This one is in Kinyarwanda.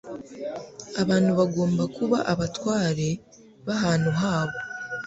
abantu bagomba kuba abatware b'ahantu habo